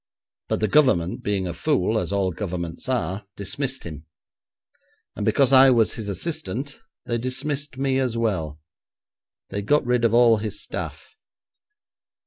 But the Government being a fool, as all governments are, dismissed him, and because I was his assistant, they dismissed me as well. They got rid of all his staff.